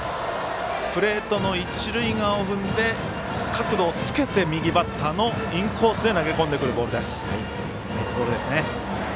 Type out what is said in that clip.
プレートの一塁側を踏んで角度をつけて右バッターのインコースへ投げ込んでくるボールです。